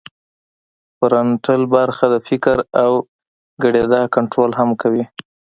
فرنټل برخه د فکر او ګړیدا کنترول هم کوي